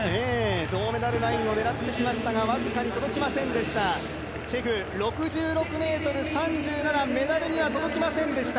銅メダルラインを狙ってきましたが、チェフ６６ｍ３７、メダルには届きませんでした。